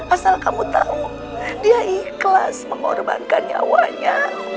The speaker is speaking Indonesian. asal kamu tahu dia ikhlas mengorbankan nyawanya